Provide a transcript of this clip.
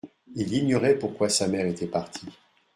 Il ignorait pourquoi sa mère était partie.